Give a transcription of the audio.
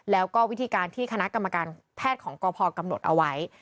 แล้วก็วิธีการที่คณะกรรมการแพทย์ของกพกำหนดเอาไว้